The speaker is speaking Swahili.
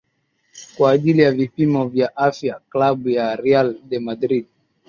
kwa ajili ya vipimo vya afya klabu ya real de madrid